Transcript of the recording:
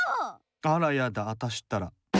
あらやだあたしったら。